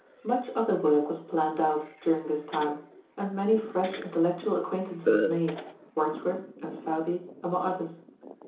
Much other work was planned out during this time, and many fresh intellectual acquaintances made, Words worth and Southey among others.